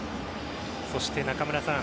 そして、中村さん。